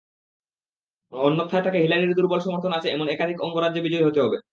অন্যথায় তাঁকে হিলারির দুর্বল সমর্থন আছে এমন একাধিক অঙ্গরাজ্যে বিজয়ী হতে হবে।